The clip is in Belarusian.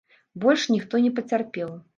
Больш ніхто не пацярпеў.